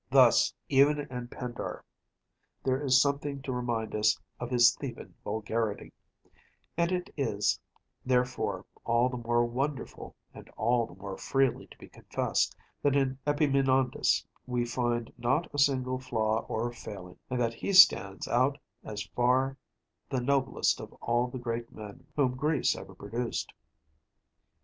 Thus, even in Pindar, there is something to remind us of his Theban vulgarity; and it is, therefore, all the more wonderful, and all the more freely to be confessed, that in Epaminondas we find not a single flaw or failing, and that he stands out as far the noblest of all the great men whom Greece ever produced.